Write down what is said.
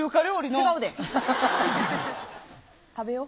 違うで。